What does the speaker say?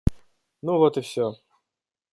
Ну вот и все.